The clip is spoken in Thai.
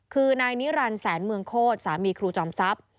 คือนายนิรันดิแสนเมืองโคตรสามีครูจอมทรัพย์